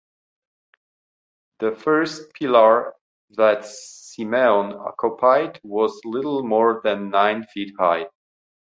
The first pillar that Simeon occupied was little more than nine feet high.